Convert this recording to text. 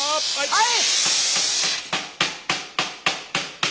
はい！